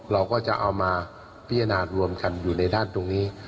เราก็จะเอามาพิจารณารวมกันอยู่ในด้านตรงนี้